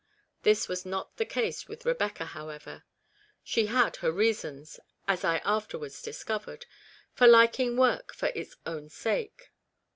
This was not the case with Rebecca, however. She had her reasons (as I afterwards dis covered) for liking work for its own sake.